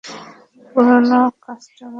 পুরোনো কাস্টমার তুমি।